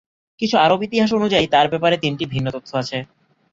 কিছু আরব ইতিহাস অনুযায়ী তাঁর ব্যাপারে তিনটি ভিন্ন তথ্য আছে।